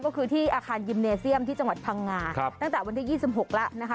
ก็คือที่อาคารยิมเนเซียมที่จังหวัดพังงาตั้งแต่วันที่๒๖แล้วนะคะ